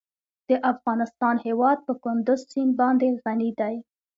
د افغانستان هیواد په کندز سیند باندې غني دی.